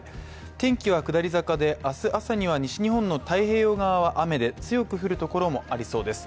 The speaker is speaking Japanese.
天気は下り坂で明日朝には西日本の太平洋側は雨で強く降るところもありそうです。